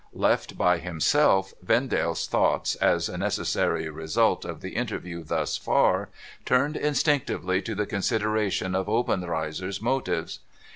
Left by himself, Vendale's thoughts (as a necessary result of the interview, thus far) turned instinctively to the consideration of Obenreizer's motives.